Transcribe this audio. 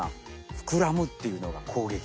ふくらむっていうのがこうげき。